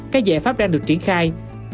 cái giải pháp đang được triển khai